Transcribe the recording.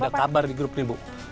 ada kabar di grup nih bu